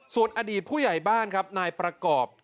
ส่วนอดีตผู้ใหญ่บ้านครับนายประกอบ